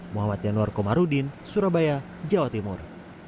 muhammad yanuar komarudin surabaya jawa timur